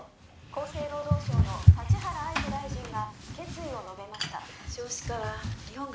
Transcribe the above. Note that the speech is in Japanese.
「厚生労働省の立原愛子大臣が決意を述べました」